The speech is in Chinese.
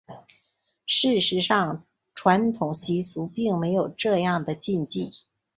事实上传统习俗并没有这样的禁忌。